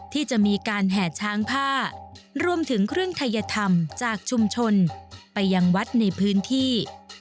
ที่จะมีการแห่ช้างผ้ารวมถึงเครื่องทัยธรรมจากชุมชนไปยังวัดในพื้นที่